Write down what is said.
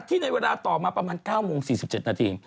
ในเวลาต่อมาประมาณ๙โมง๔๗นาที